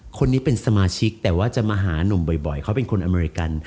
คนนี้เป็นสมาชิกแต่ว่าจะมาหานุ่มบ่อยเขาเป็นคนอเมริกัน